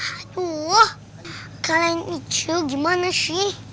aduh kalian icu gimana sih